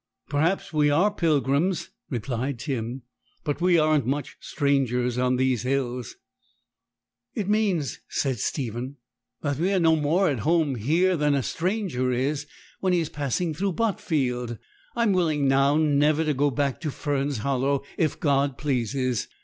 'Perhaps we are pilgrims,' replied Tim, 'but we aren't much strangers on these hills.' 'It means,' said Stephen, 'that we are no more at home here than a stranger is when he is passing through Botfield. I'm willing now never to go back to Fern's Hollow, if God pleases.